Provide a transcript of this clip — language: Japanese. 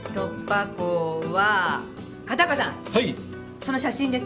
その写真です。